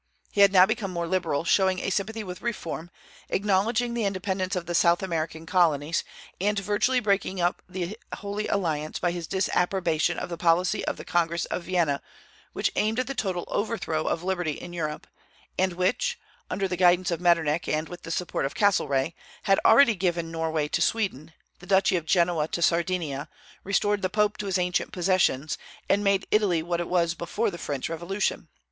He had now become more liberal, showing a sympathy with reform, acknowledging the independence of the South American colonies, and virtually breaking up the Holy Alliance by his disapprobation of the policy of the Congress of Vienna, which aimed at the total overthrow of liberty in Europe, and which (under the guidance of Metternich and with the support of Castlereagh) had already given Norway to Sweden, the duchy of Genoa to Sardinia, restored to the Pope his ancient possessions, and made Italy what it was before the French Revolution.